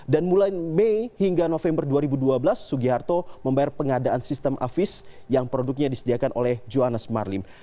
dan mulai mei hingga november dua ribu dua belas sugiharto membayar pengadaan sistem afis yang produknya disediakan oleh johannes marlim